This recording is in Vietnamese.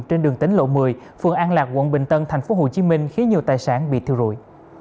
trên đường tính lộ một mươi phường an lạc quận bình tân tp hcm khiến nhiều tài sản bị thiêu rụi